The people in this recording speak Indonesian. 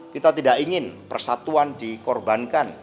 kita tidak ingin persatuan dikorbankan